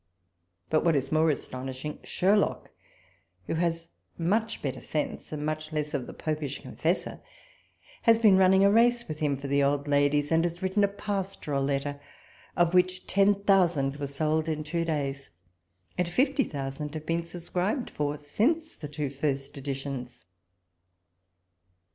But what is more astonishing, Sherlock, wluj has much better sense, and much less of the Popish confessor, has been running a race with him for the old ladies, and has written a pastoral letter, of which ten thousand were sold in two days ; and fifty thousand have been subscribed for, since the two first editions.